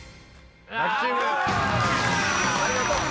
ありがとう。